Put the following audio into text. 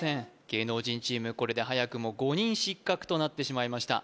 芸能人チームこれで早くも５人失格となってしまいました